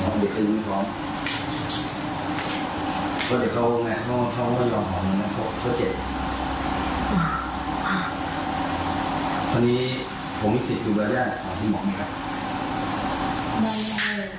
คุณมีไรหลายขออธิบัติมีค่ะ